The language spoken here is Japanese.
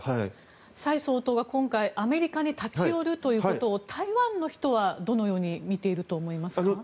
蔡総統は今回アメリカに立ち寄るということを台湾の人は、どのように見ていると思いますか？